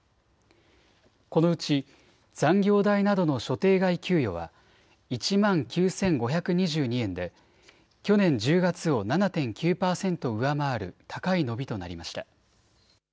このうち残業代などの所定外給与は１万９５２２円で去年１０月を７．９％上回る高い伸びとなりました。